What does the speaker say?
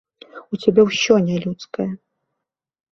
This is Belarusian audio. У цябе ўсё нялюдскае.